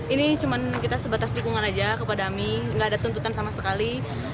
ini cuma kita sebatas dukungan aja kepada ami nggak ada tuntutan sama sekali